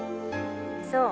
そう。